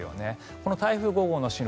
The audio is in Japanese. この台風５号の進路